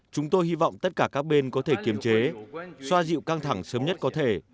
chúng tôi hy vọng tất cả các bên có thể kiềm chế xoa dịu căng thẳng sớm nhất có thể